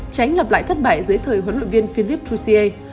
tránh lặp lại thất bại dưới thời huấn luyện viên philippe chu xie